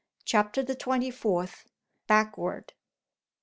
CHAPTER THE TWENTY FOURTH. BACKWARD.